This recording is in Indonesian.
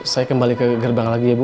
saya kembali ke gerbang lagi ya bu